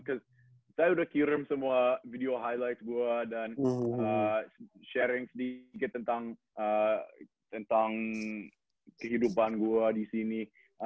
karena saya udah kirim semua video highlights gue dan sharing sedikit tentang kehidupan gue di sini